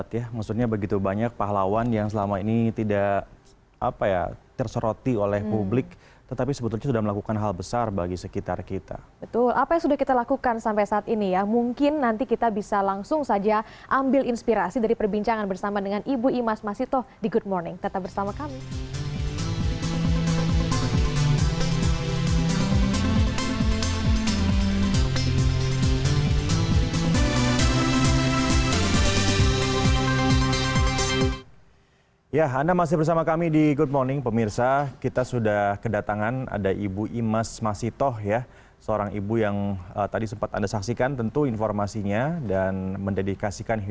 ima sempat berpikir untuk mengubarkan pantai aswanya karena pengeluaran yang begitu besar